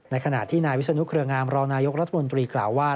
ขณะที่นายวิศนุเครืองามรองนายกรัฐมนตรีกล่าวว่า